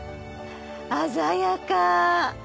鮮やか！